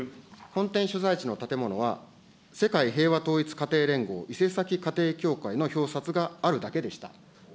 本店所在地の建物は、世界平和統一家庭連合、いせさきかてい教会の表札があるだけでした。